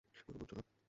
কোনো মন্ত্র না।